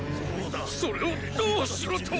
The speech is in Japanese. それをどうしろと！